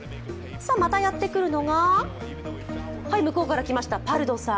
またやってくるのが、はい、向こうから来ましたパルドさん。